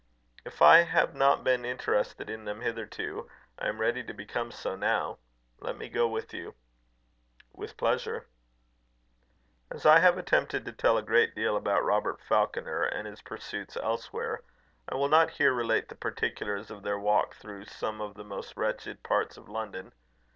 "If I have not been interested in them hitherto, I am ready to become so now. Let me go with you." "With pleasure." As I have attempted to tell a great deal about Robert Falconer and his pursuits elsewhere, I will not here relate the particulars of their walk through some of the most wretched parts of London.